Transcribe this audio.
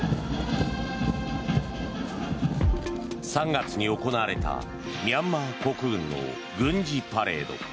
３月に行われたミャンマー国軍の軍事パレード。